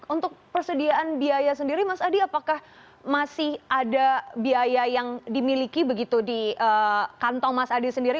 untuk persediaan biaya sendiri mas adi apakah masih ada biaya yang dimiliki begitu di kantong mas adi sendiri